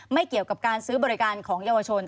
ไม่เกี่ยวกับการซื้อบริการของเยาวชน